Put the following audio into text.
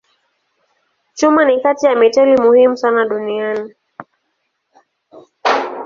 Chuma ni kati ya metali muhimu sana duniani.